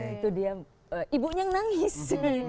itu dia ibunya nangis